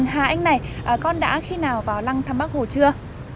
hà anh này con đã khi nào vào lăng thăm bắc hồ chưa